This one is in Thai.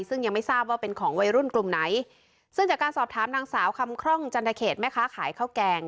ซึ่งยังไม่ทราบว่าเป็นของวัยรุ่นกลุ่มไหนซึ่งจากการสอบถามนางสาวคำคล่องจันทเขตแม่ค้าขายข้าวแกง